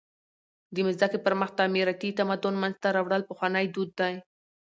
د مځکي پر مخ تعمیراتي تمدن منځ ته راوړل پخوانى دود دئ.